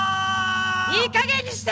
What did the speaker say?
いいかげんにして！